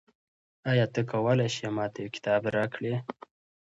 آیا ته کولای شې ما ته یو کتاب راکړې؟